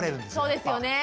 そうですよね。